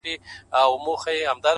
هره هڅه د راتلونکي برخه جوړوي،